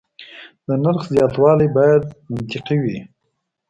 د نرخ زیاتوالی باید منطقي وي.